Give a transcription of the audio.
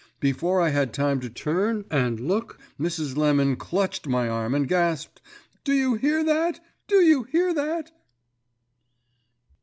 Before I had time to turn and look, Mrs. Lemon clutched my arm, and gasped, "Do you hear that? Do you hear that?"